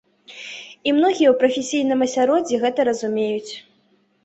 І многія ў прафесійным асяроддзі гэта разумеюць.